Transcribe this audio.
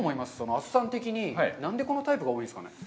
阿曽さん的に何でこのタイプが多いんですかね？